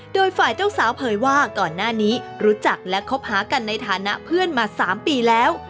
โดยฝ่ายเจ้าสาวเผยว่าก่อนหน้านี้รู้จักและคบหากันในฐานะเพื่อนมา๓ปีแล้ว